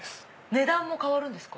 値段も変わるんですか？